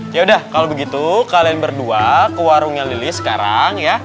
yaudah kalau begitu kalian berdua ke warungnya lilis sekarang ya